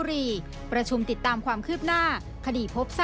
โดยย้ำว่าให้ทำอย่างโปร่งใสแล้วก็เป็นธรรม